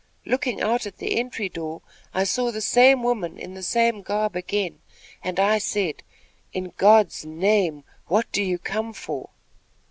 Looking out at the entry door, I saw the same woman, in the same garb again, and I said, 'In God's name, what do you come for?'